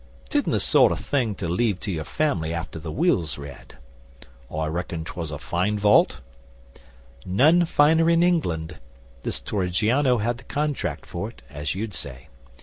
'Tidn't the sort of thing to leave to your family after the will's read. I reckon 'twas a fine vault?' 'None finer in England. This Torrigiano had the contract for it, as you'd say.